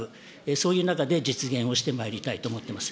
そういう中で実現をしてまいりたいと思ってます。